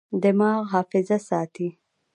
دماغ حافظه ساتي.